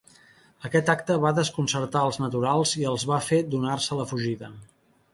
Aquest acte va desconcertar als naturals i els va fer donar-se a la fugida.